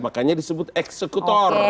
makanya disebut eksekutor